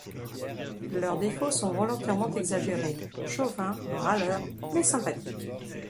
Leurs défauts sont volontairement exagérés, chauvins, râleurs mais sympathiques.